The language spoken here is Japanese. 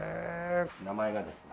名前がですね。